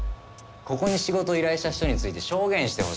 ここに仕事を依頼した人について証言してほしい。